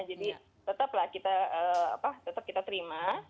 jadi tetap lah kita terima